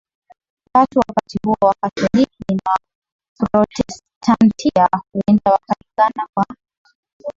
tatu Wakati huo Wakatoliki na Waprotestanti huenda wakalingana kwa